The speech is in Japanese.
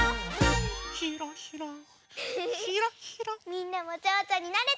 みんなもちょうちょになれた？